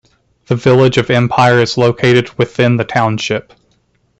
The village of Empire is located within the township.